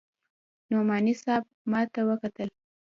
نعماني صاحب ما ته وکتل.